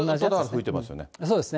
そうですね。